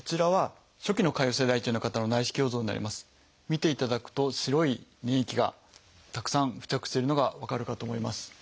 見ていただくと白い粘液がたくさん付着してるのが分かるかと思います。